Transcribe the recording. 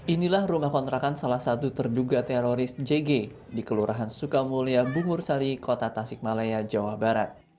inilah rumah kontrakan salah satu terduga teroris jg di kelurahan sukamulya bungur sari kota tasikmalaya jawa barat